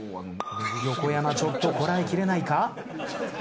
横山ちょっとこらえきれないか？